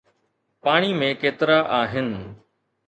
پاڻي ۾ ڪيترا آهن؟